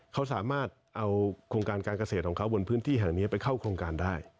เขาสามารถเอาโครงการการเกษตรของเขาบนพื้นที่แห่งนี้ไปเข้าโครงการได้